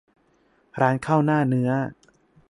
ร้านข้าวหน้าเนื้อ